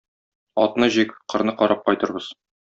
Атны җик, кырны карап кайтырбыз.